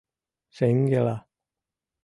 Шеҥгела.